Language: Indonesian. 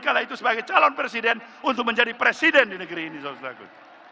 kala itu sebagai calon presiden untuk menjadi presiden di negeri ini saudara saudara